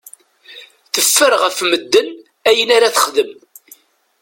Teffer ɣef medden ayen ara texdem.